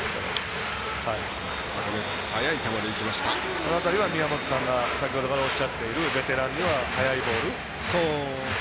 この辺りは宮本さんが先ほどからおっしゃっているベテランには速いボール。